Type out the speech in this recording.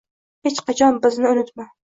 Hech qachon bizni unutma